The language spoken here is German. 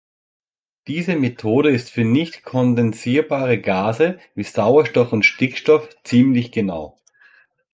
Diese Methode ist für nicht kondensierbare Gase, wie Sauerstoff und Stickstoff, ziemlich genau.